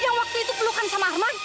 yang waktu itu pelukan sama arman